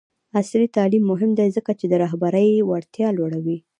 عصري تعلیم مهم دی ځکه چې د رهبرۍ وړتیا لوړوي.